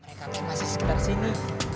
mereka kan masih sekitar sini